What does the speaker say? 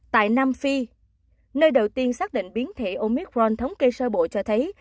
tại nam phi nơi đầu tiên xác định biến thể omicron thống kê sơ bộ cho thấy